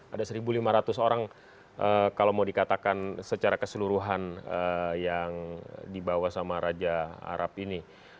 ada satu lima ratus orang kalau mau dikatakan secara keseluruhan yang dibawa sama raja arab ini